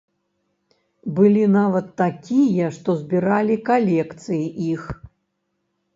Былі нават такія, што збіралі калекцыі іх.